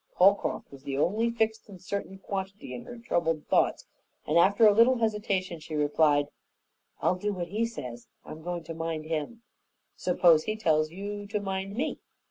Holcroft was the only fixed and certain quantity in her troubled thoughts, and after a little hesitation she replied, "I'll do what he says; I'm goin' to mind him." "Suppose he tells you to mind me?"